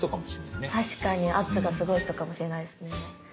確かに圧がすごい人かもしれないですね。